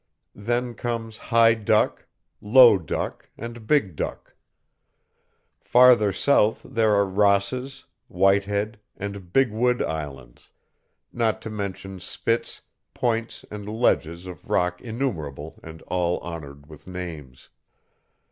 Then comes High Duck, Low Duck, and Big Duck. Farther south there are Ross's, Whitehead, and Big Wood islands, not to mention spits, points, and ledges of rock innumerable and all honored with names.